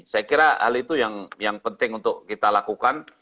saya kira hal itu yang penting untuk kita lakukan